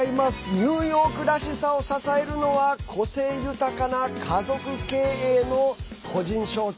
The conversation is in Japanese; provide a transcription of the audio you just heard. ニューヨークらしさを支えるのは個性豊かな家族経営の個人商店。